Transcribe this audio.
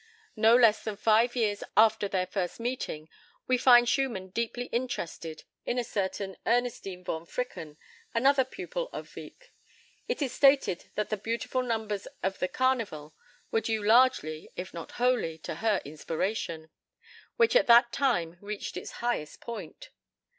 No less than five years after their first meeting, we find Schumann deeply interested in a certain Ernestine von Fricken, another pupil of Wieck. It is stated that the beautiful numbers of the "Carneval" were due largely, if not wholly, to her inspiration, which at that time reached its highest point.